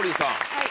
はい。